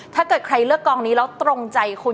ถ้าเกิดใครเลือกกองนี้แล้วตรงใจคุณ